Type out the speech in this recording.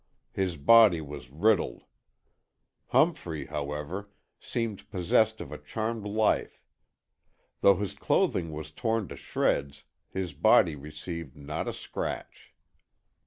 His body was riddled. Humphrey, however, seemed possessed of a charmed life. Though his clothing was torn to shreds, his body received not a scratch.